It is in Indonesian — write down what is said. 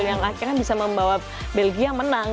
yang akhirnya bisa membawa belgia menang